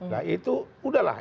nah itu udahlah